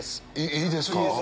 いいですか？